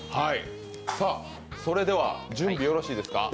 それでは、準備よろしいですか？